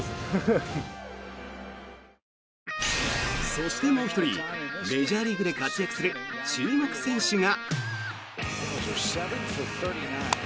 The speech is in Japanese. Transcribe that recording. そして、もう１人メジャーリーグで活躍する注目選手が。